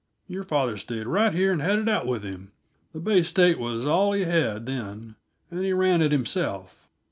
Your father stayed right here and had it out with him. The Bay State was all he had, then, and he ran it himself.